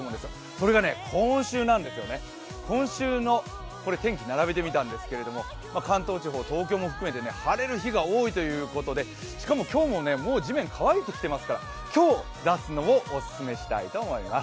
それが今週なんですよ、今週の天気、並べてみたんですけれど関東地方、東京も含めて晴れる日が多いということで今日はもう地面乾いてきてるので今日出すのをお勧めしたいと思います。